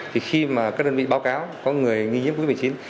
thì khi mà các đơn vị báo cáo có người nghi nhiễm covid một mươi chín